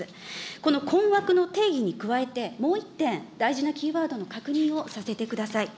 この困惑の定義に加えて、もう一点、大事なキーワードの確認をさせてください。